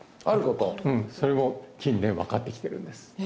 うんそれも近年分かってきてるんですえ